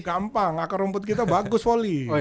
gampang akar rumput kita bagus volley